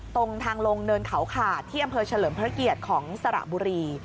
ตรงทางลงเนินเขาขาดที่อำเภอเฉลิมพระเกียรติของสระบุรี